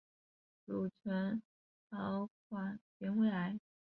乳腺导管原位癌。